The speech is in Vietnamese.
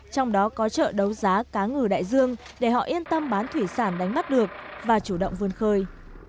trong đó có chợ đấu giá cá ngừ đại dương để họ yên tâm bán thủy sản đánh bắt được và chủ động vươn khơi